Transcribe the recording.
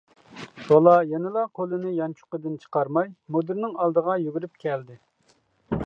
بالا يەنىلا قولىنى يانچۇقىدىن چىقارماي، مۇدىرنىڭ ئالدىغا يۈگۈرۈپ كەلدى.